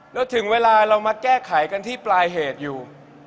แล้วถึงเวลาเรามาแก้ไขกันที่ปลายเหตุอยู่